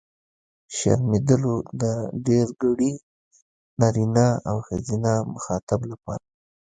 شرمېدلو! د ډېرګړي نرينه او ښځينه مخاطب لپاره.